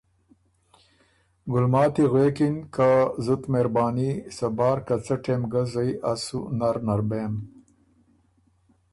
ګلماتی غوېکِن که ”زُت مهرباني، صبار که څۀ ټېم ګۀ زئ از سُو نر نر بېم“